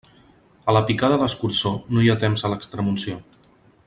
A la picada d'escurçó, no hi ha temps a l'extremunció.